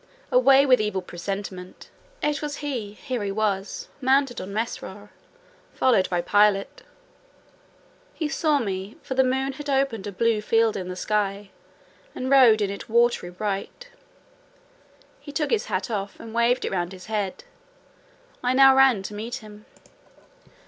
Away with evil presentiment! It was he: here he was, mounted on Mesrour, followed by Pilot. He saw me; for the moon had opened a blue field in the sky, and rode in it watery bright: he took his hat off, and waved it round his head. I now ran to meet him.